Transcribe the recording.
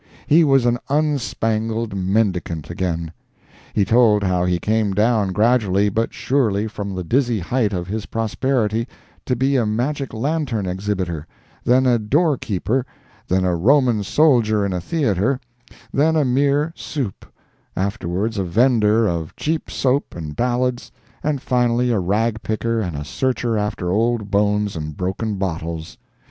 He was an unspangled mendicant again. He told how he came down gradually but surely from the dizzy height of his prosperity to be a magic lantern exhibitor, then a door keeper, then a Roman soldier in a theatre, then a mere "supe," afterwards a vendor of cheap soap and ballads, and finally a rag picker and a searcher after old bones and broken bottles.